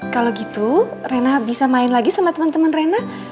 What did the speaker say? kalau gitu rena bisa main lagi sama teman teman rena